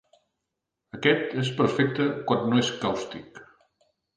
Aquest és perfecte quan no és càustic.